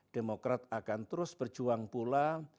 demokrat akan terus berjuang pula